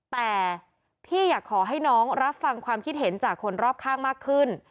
แต่พี่อยากขอให้น้องรับฟังความคิดเห็นจากคนรอบข้างมากขึ้น